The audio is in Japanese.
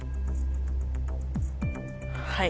はい。